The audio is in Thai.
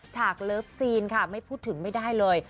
ฉากเลิฟซีนค่ะไม่พูดถึงไม่ได้เลย